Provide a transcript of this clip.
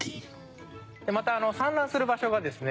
また産卵する場所がですね